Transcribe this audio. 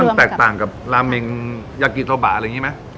มันแตกต่างกับราเมงยากิโตบะอะไรอย่างนี้ไหม